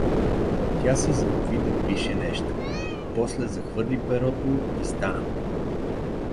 Тя се залови да пише нещо, после захвърли перото и стана.